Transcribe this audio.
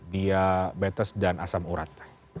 dia betes dan asam urat